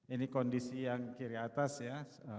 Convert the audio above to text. ini kondisi yang kiri atas ya